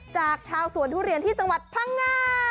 จากชาวสวนทุเรียนที่จังหวัดพังงา